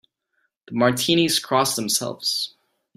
The Martinis cross themselves.